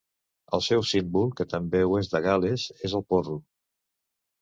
El seu símbol, que també ho és de Gal·les, és el porro.